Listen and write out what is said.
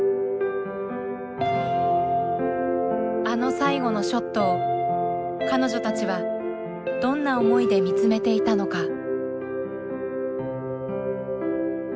あの最後のショットを彼女たちはどんな思いで見つめていたのか。